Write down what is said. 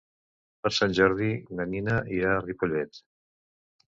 Per Sant Jordi na Nina irà a Ripollet.